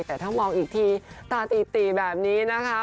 แต่ถ้ามองอีกทีตาตีตีแบบนี้นะคะ